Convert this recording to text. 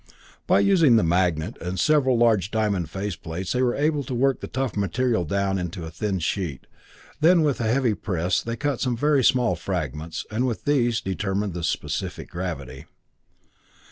By using the magnet and several large diamond faceplates they were able to work the tough material down to a thin sheet; then with a heavy press, they cut some very small fragments, and with these, determined the specific gravity.